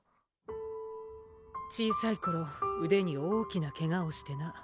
小さい頃腕に大きなけがをしてな